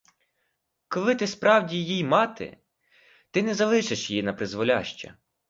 Коли ти справді їй мати, ти не залишиш її напризволяще.